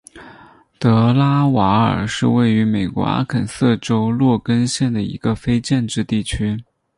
德拉瓦尔是位于美国阿肯色州洛根县的一个非建制地区。